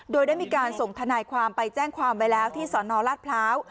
โดยได้มีการส่งทนายความไปแจ้งความไว้แล้วที่สนราชพร้าว